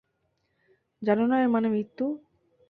জানো না এর মানে মৃত্যু?